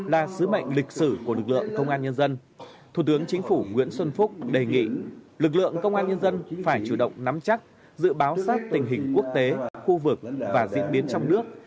lực lượng công an nhân dân phải chủ động nắm chắc dự báo sát tình hình quốc tế khu vực và diễn biến trong nước